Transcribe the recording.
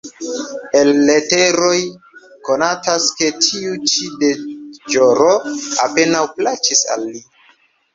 El leteroj konatas ke tiu ĉi deĵoro apenaŭ plaĉis al li.